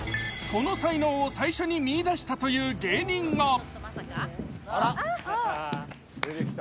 その才能を最初に見いだしたという芸人が。